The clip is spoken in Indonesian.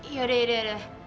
yaudah yaudah yaudah